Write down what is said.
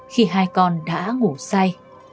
khi hai con đã ngủ say